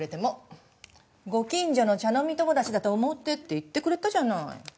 ご近所の茶飲み友達だと思ってって言ってくれたじゃない。